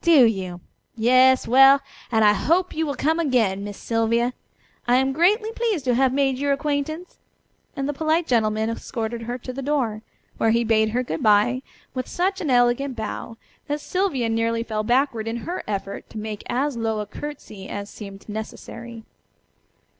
"Do you? Yes! Well! And I hope you will come again, Miss Sylvia. I am greatly pleased to have made your acquaintance," and the polite gentleman escorted her to the door, where he bade her good bye with such an elegant bow that Sylvia nearly fell backward in her effort to make as low a curtsey as seemed necessary.